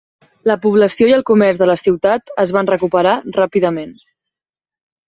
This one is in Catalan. La població i el comerç de la ciutat es van recuperar ràpidament.